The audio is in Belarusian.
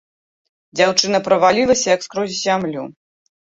Дзяўчына правалілася як скрозь зямлю.